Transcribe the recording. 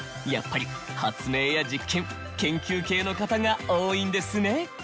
やっぱり発明や実験・研究系の方が多いんですね。